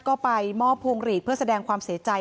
ก็ไปมอบพวงหลีดเพื่อแสดงความเสียใจ